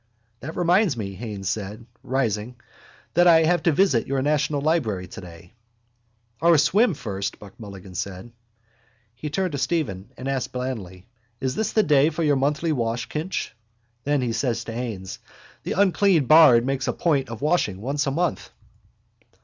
—That reminds me, Haines said, rising, that I have to visit your national library today. —Our swim first, Buck Mulligan said. He turned to Stephen and asked blandly: —Is this the day for your monthly wash, Kinch? Then he said to Haines: —The unclean bard makes a point of washing once a month.